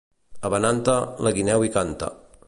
A Benante, la guineu hi canta.